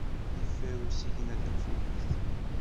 Yeffer usigna tafukt.